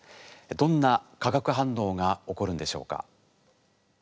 どんな化学反応が起こるんでしょうか。